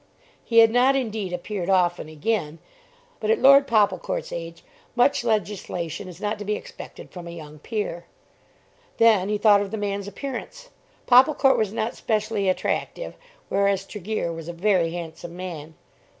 He had not indeed appeared often again; but at Lord Popplecourt's age much legislation is not to be expected from a young peer. Then he thought of the man's appearance. Popplecourt was not specially attractive, whereas Tregear was a very handsome man.